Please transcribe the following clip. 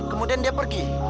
kemudian dia pergi